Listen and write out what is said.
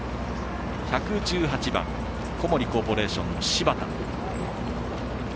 １１８番小森コーポレーションの柴田。